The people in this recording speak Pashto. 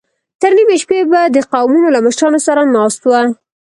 تر نيمې شپې به د قومونو له مشرانو سره ناست و.